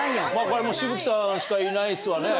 これはもう紫吹さんしかいないっすわね。